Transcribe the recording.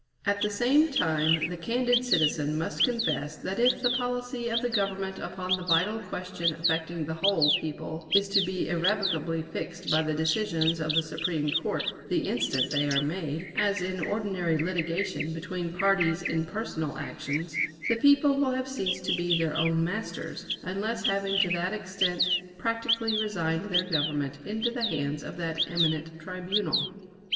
At the same time the candid citizen must confess that if the policy of the Government upon the vital question affecting the whole people is to be irrevocably fixed by the decisions of the Supreme Court, the instant they are made, as in ordinary litigation between parties in personal actions, the people will have ceased to be their own masters, unless having to that extent practically resigned their Government into the hands of that eminent tribunal.